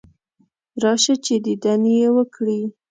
راشه چې دیدن یې وکړې.